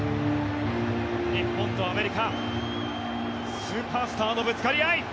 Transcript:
日本とアメリカスーパースターのぶつかり合い！